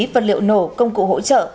vật liệu nổ công cụ hỗ trợ